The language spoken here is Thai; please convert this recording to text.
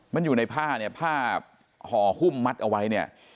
มันอยู่ในผ้าเนี่ยผ้าห่อหุ้มมัดเอาไว้เนี่ย